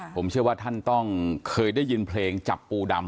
ผมเชื่อว่าท่านต้องเคยได้ยินเพลงจับปูดำ